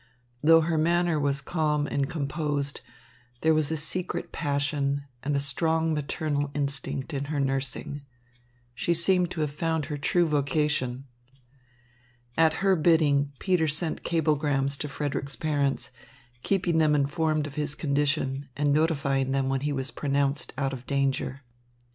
Though her manner was calm and composed, there was secret passion and a strong maternal instinct in her nursing. She seemed to have found her true vocation. At her bidding Peter sent cablegrams to Frederick's parents, keeping them informed of his condition, and notifying them when he was pronounced out of danger.